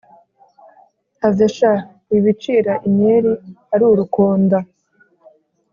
have sha wibicira inyeri arurukonda!